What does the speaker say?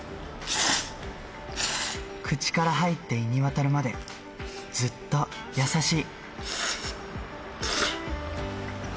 口から入って胃に渡るまで、ずっと優しい。